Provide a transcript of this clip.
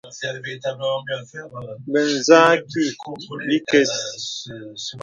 Bə zə àkì bìkəs.